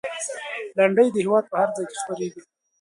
لنډۍ د هېواد په هر ځای کې خپرېږي.